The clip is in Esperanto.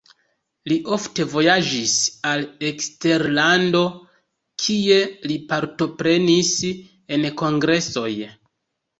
Li ofte vojaĝis al eksterlando, kie li partoprenis en kongresoj.